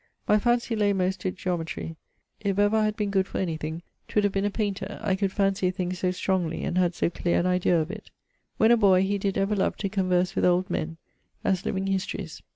My fancy lay most to geometrie. If ever I had been good for anything, 'twould have been a painter, I could fancy a thing so strongly and had so cleare an idaea of it. When a boy, he did ever love to converse with old men, as living histories.